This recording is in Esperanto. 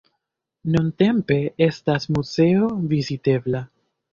Nuntempe estas muzeo vizitebla.